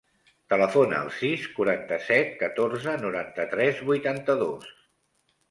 Telefona al sis, quaranta-set, catorze, noranta-tres, vuitanta-dos.